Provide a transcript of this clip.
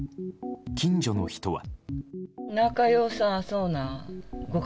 近所の人は。